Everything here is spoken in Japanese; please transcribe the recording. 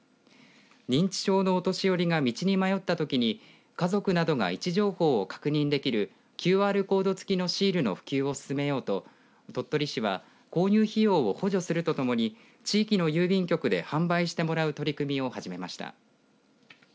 認知症のお年寄りが道に迷ったときに家族などが位置情報を確認できるＱＲコード付きのシールの普及を進めようと鳥取市は購入費用を補助するとともに地域の郵便局で販売してもらう取り組みを始めました。